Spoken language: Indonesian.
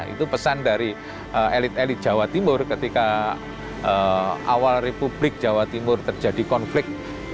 itu pesan dari elit elit jawa timur ketika awal republik jawa timur terjadi konflik